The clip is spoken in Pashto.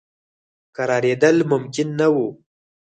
کرارېدل ممکن نه وه.